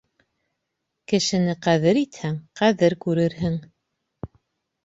Кешене ҡәҙер итһәң, ҡәҙер күрерһең.